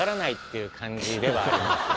いう感じではありますよね。